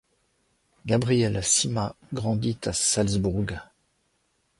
Gabriele Sima grandit à Salzbourg.